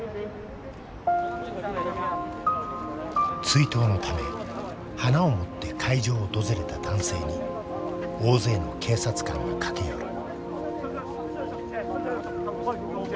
追悼のため花を持って会場を訪れた男性に大勢の警察官が駆け寄る。